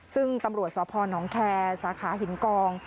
ซึ่งตำรวจสพนแคร์สาขาหินกอง